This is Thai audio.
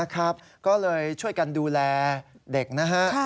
ก็เลยช่วยกันดูแลเด็กนะฮะ